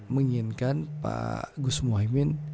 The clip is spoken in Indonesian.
menginginkan pak gus muwaimin